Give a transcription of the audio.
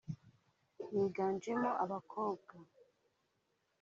biganjemo abakobwa